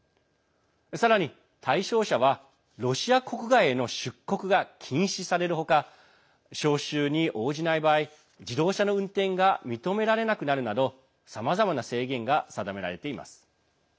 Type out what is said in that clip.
さらに対象者はロシア国外への出国が禁止される他招集に応じない場合、自動車の運転が認められなくなるなどさまざまな制限が定められています。